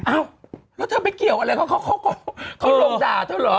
อ้าวแล้วเธอไปเกี่ยวอะไรเขาเขาลงด่าเธอเหรอ